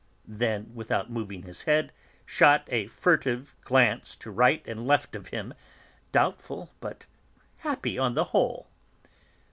then, without moving his head, shot a furtive glance to right and left of him, doubtful, but happy on the whole.